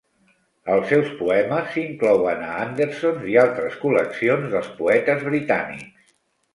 Els seus poemes s'inclouen a Anderson's i altres col·leccions dels poetes britànics.